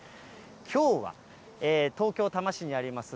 きょうは東京・多摩市にあります